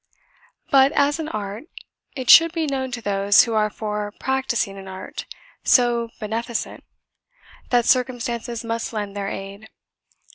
But, as an art, it should be known to those who are for practising an art so beneficent, that circumstances must lend their aid.